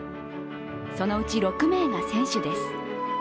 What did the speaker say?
そのうち６名が選手です。